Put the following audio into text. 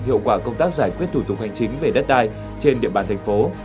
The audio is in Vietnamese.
hiệu quả công tác giải quyết thủ tục hành chính về đất đai trên địa bàn thành phố